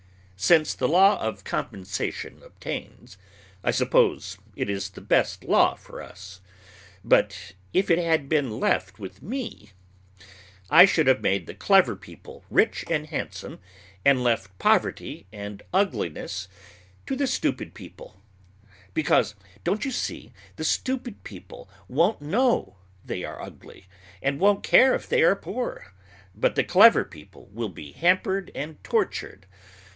Since the law of compensation obtains, I suppose it is the best law for us; but if it had been left with me, I should have made the clever people rich and handsome, and left poverty and ugliness to the stupid people; because don't you see? the stupid people won't know they are ugly, and won't care if they are poor, but the clever people will be hampered and tortured.